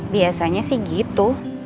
biasanya sih gitu